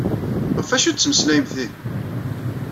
Ɣef acu i ad tettmeslayemt ihi?